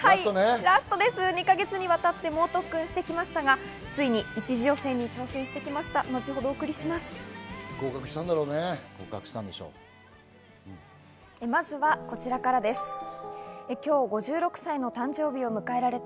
２か月にわたって猛特訓してきましたが、ついに１次予選に挑戦してきました。